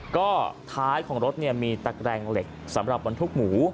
ก็ท้ายของรถมีตะแกรงเหล็กสำหรับบรรทุกหมู